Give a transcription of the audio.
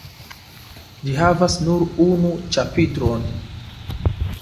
Ĝi havas nur unu ĉapitron.